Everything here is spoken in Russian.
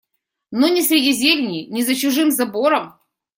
Но ни среди зелени, ни за чужим забором